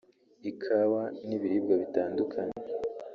ikawa n’ibiribwa bitandukanye